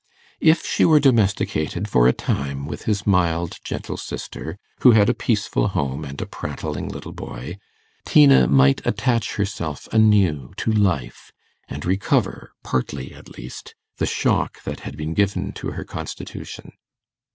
If she were domesticated for a time with his mild gentle sister, who had a peaceful home and a prattling little boy, Tina might attach herself anew to life, and recover, partly at least, the shock that had been given to her constitution.